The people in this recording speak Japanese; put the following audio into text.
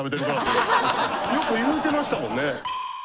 よく言うてましたもんね。